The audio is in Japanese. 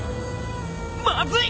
まずい！